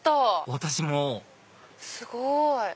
私もすごい！